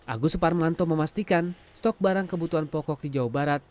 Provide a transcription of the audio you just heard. agus suparmanto memastikan stok barang kebutuhan pokok di jawa barat